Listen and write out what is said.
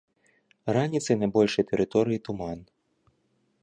Раніцай на большай тэрыторыі туман.